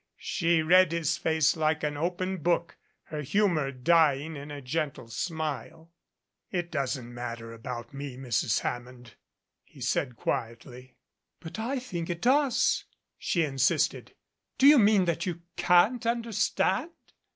She read his face like an open book, her humor dying in a gentle smile. "It doesn't matter about me, Mrs. Hammond," he said quietly. "But I think it does," she insisted. "Do you mean that you can't understand?"